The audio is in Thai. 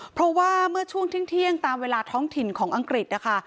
เพราะว่าเมื่อช่วงเที่ยงตามเวลาท้องถิ่นของอังกฤษนะคะ